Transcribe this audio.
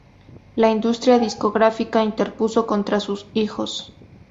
la industria discográfica interpuso contra sus hijos